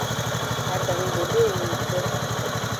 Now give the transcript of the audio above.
Adangudodo enyuieto.